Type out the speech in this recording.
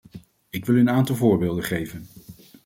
Ik wil u een aantal voorbeelden geven.